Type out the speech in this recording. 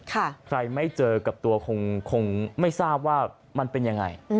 ใครไม่เจอกับตัวคงไม่ทราบว่ามันเป็นยังไง